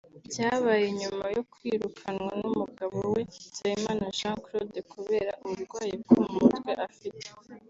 byabaye nyuma yo kwirukanwa n’umugabo we Nsabimana Jean Claude kubera uburwayi bwo mu mutwe afite